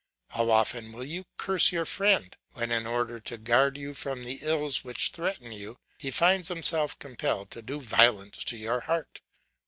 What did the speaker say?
How often will you curse your friend, when, in order to guard you from the ills which threaten you, he finds himself compelled to do violence to your heart.